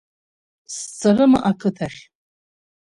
Сцарыма ақыҭахь?